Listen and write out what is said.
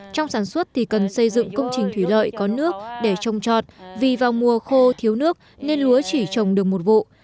trong sản xuất thì cần xây dựng công trình thủy lợi có nước để trồng trọt vì vào mùa khô thiếu nước nên lúa chỉ trồng được một vụ